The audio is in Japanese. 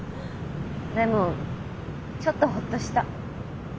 でもちょっとほっとした。